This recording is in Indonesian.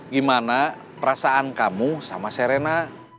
gimana perasaan kamu sama sere na